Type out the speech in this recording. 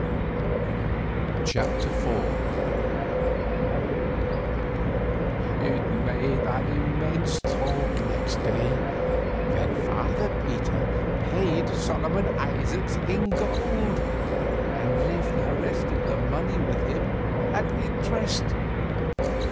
CHAPTER IV It made immense talk next day, when Father Peter paid Solomon Isaacs in gold and left the rest of the money with him at interest.